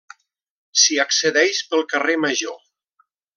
S'hi accedeix pel carrer Major.